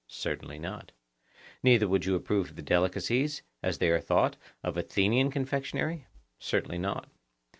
Certainly not. Neither would you approve of the delicacies, as they are thought, of Athenian confectionary? Certainly not.